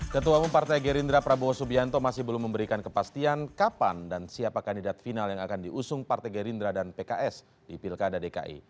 ketua pempartai gerindra prabowo subianto masih belum memberikan kepastian kapan dan siapa kandidat final yang akan diusung partai gerindra dan pks di pilkada dki